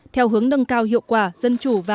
theo hướng nâng cao hiệu quả